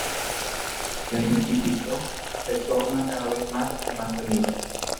La investigación se torna cada vez más y más peligrosa.